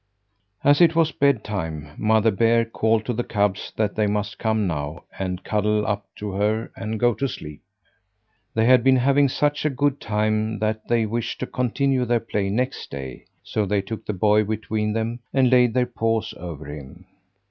As it was bedtime, Mother Bear called to the cubs that they must come now and cuddle up to her and go to sleep. They had been having such a good time that they wished to continue their play next day; so they took the boy between them and laid their paws over him.